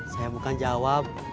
saya bukan jawab